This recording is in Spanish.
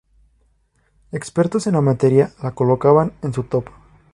Expertos en la materia la colocaban en sus top.